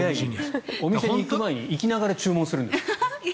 お店に行く前に行きながら注文するんです。